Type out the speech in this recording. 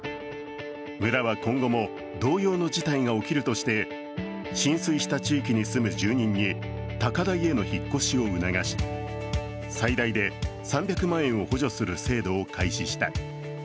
村は今後も同様の事態が起きるとして浸水した地域に住む住人に高台への引っ越しを促し、最大で３００万円を補助する制度を開始した。